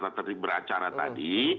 tata tertib beracara tadi